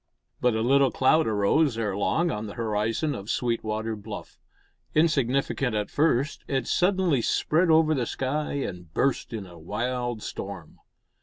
But a little cloud arose ere long on the horizon of Sweetwater Bluff. Insignificant at first, it suddenly spread over the sky and burst in a wild storm.